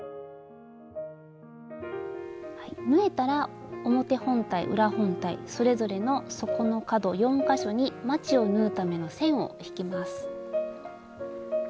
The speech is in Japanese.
縫えたら表本体裏本体それぞれの底の角４か所にまちを縫うための線を引きます。